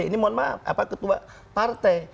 ini mohon maaf ketua partai